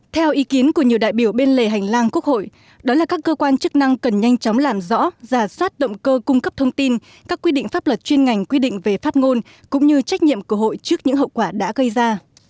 theo ý kiến của nhiều đại biểu bên lề hành lang quốc hội đó là các cơ quan chức năng cần nhanh chóng làm rõ giả soát động cơ cung cấp thông tin các quy định pháp luật chuyên ngành quy định về phát ngôn cũng như trách nhiệm của hội trước những hậu quả đã gây ra